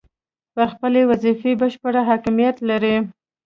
پر خپلې وظیفې بشپړ حاکمیت لري.